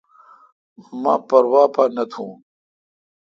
مہ پروا پا نہ تھو۔